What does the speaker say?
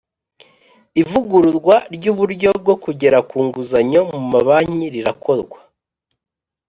ivugururwa ry'uburyo bwo kugera ku nguzanyo mu mabanki rirakorwa.